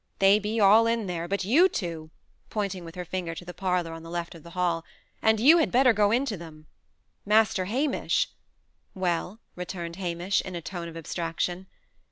They be all in there, but you two," pointing with her finger to the parlour on the left of the hall; "and you had better go in to them. Master Hamish " "Well?" returned Hamish, in a tone of abstraction.